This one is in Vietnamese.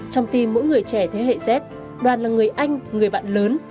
trong tim mỗi người trẻ thế hệ dết đoàn là người anh người bạn lớn